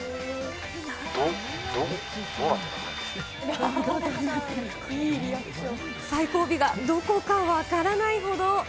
ど、ど、最後尾がどこか分からないほど。